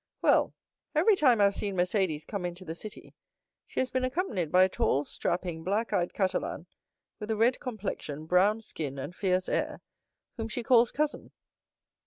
"Well, every time I have seen Mercédès come into the city she has been accompanied by a tall, strapping, black eyed Catalan, with a red complexion, brown skin, and fierce air, whom she calls cousin."